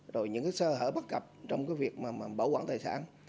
rồi những sơ hở bắt gặp trong việc bảo quản tài sản